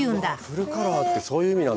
フルカラーってそういう意味なんだ。